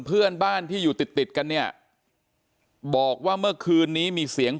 เพื่อนบ้านที่อยู่ติดติดกันเนี่ยบอกว่าเมื่อคืนนี้มีเสียง